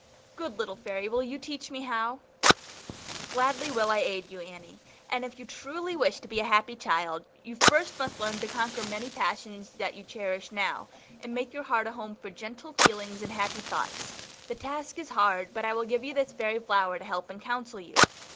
good little Fairy, will you teach me how?" "Gladly will I aid you, Annie, and if you truly wish to be a happy child, you first must learn to conquer many passions that you cherish now, and make your heart a home for gentle feelings and happy thoughts; the task is hard, but I will give this fairy flower to help and counsel you.